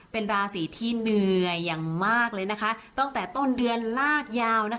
เป็นราศีที่เหนื่อยอย่างมากเลยนะคะตั้งแต่ต้นเดือนลากยาว